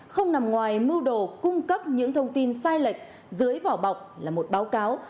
không nằm ngoài mưu đồ cung cấp những thông tin sai lệch dưới vỏ bọc là một báo cáo